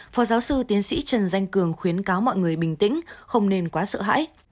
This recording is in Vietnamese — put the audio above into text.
phó giáo sư tiến sĩ trần danh cường khuyến cáo mọi người bình tĩnh không nên quá sợ hãi